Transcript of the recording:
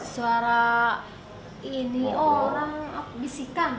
suara ini orang bisikan